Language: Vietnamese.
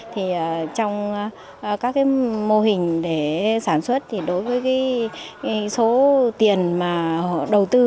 thì trong các mô hình để sản xuất thì đối với cái số tiền mà họ đầu tư